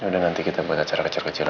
yaudah nanti kita buat acara kecil kecilan ya